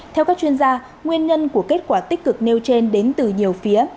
theo các chuyên gia nguyên nhân của kết quả tích cực nêu trên đến từ nhiều phía